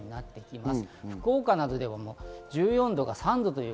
福岡などでは１４度が３度。